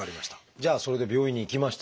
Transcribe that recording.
じゃあそれで病院に行きましたと。